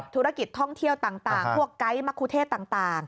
ธุรกิจท่องเที่ยวต่างพวกไกด์มะคุเทศต่าง